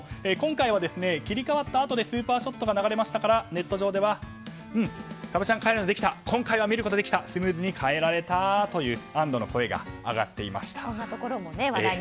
今回は切り替わったあとでスーパーショットが流れましたからネット上ではサブチャン変えるのできた今回は見られたスムーズに切り替えられたという安堵の声が上がっていました。